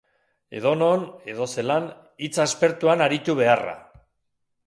Edonon, edozelan, hitz aspertuan aritu beharra.